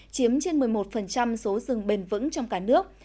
chiếm trên một mươi một số rừng bền vững trong cả nước